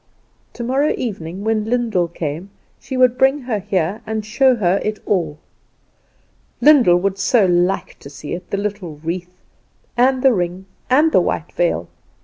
Tomorrow evening when Lyndall came she would bring her here, and show it her all. Lyndall would so like to see it the little wreath, and the ring, and the white veil!